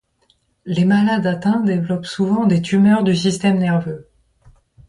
Les malades atteints développent souvent des tumeurs du système nerveux.